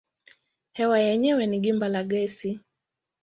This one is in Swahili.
Hewa yenyewe ni gimba la gesi.